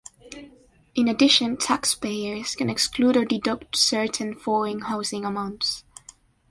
In addition, taxpayers can exclude or deduct certain foreign housing amounts.